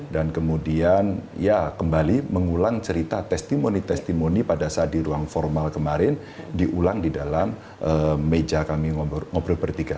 dan kemudian ya kembali mengulang cerita testimoni testimoni pada saat di ruang formal kemarin diulang di dalam meja kami ngobrol bertiga